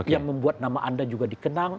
yang membuat nama anda juga dikenal